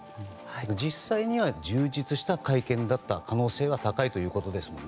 実際には充実した会談だった可能性は高いということですよね。